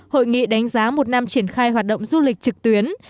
hội nghị đánh giá một năm triển khai hoạt động du lịch trực tuyến